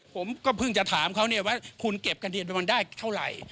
ผมก็เพิ่งจะถามเขาว่าคุณเก็บกันได้เท่าไหร่